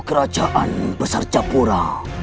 kerajaan besar capora